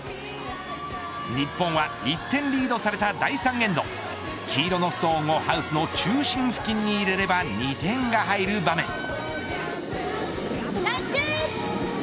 日本は１点リードされた第３エンド黄色のストーンをハウスの中心付近に入れれば２点が入る場面。